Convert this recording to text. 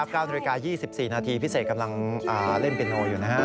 กลับกล้าวนาฬิกา๒๔นาทีพี่เศกกำลังเล่นเป็นโนอยู่นะฮะ